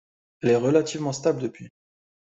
Elle est relativement stable depuis.